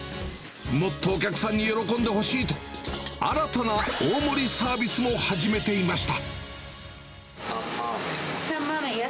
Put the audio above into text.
もっとお客さんに喜んでほしいと、新たな大盛りサービスも始めていました。